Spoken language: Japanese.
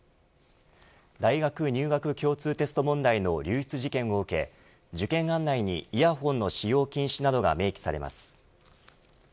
大学入学共通テスト問題の流出事件を受け受験案内にイヤホンの使用禁止などが明記されます。